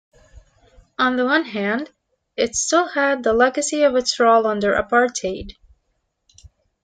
On the one hand, it still had the legacy of its role under apartheid.